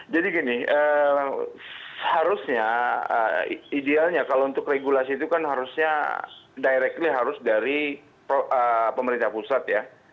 jadi gini harusnya idealnya kalau untuk regulasi itu kan harusnya directly harus dari pemerintah pusat ya